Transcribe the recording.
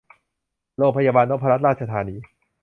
โรงพยาบาลนพรัตนราชธานี